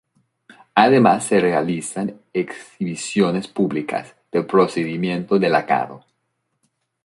Además se realizan exhibiciones públicas del procedimiento de lacado.